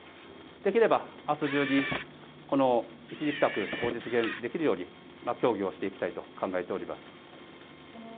できればあす中に、一時帰宅を実現できるように、協議をしていきたいと考えております。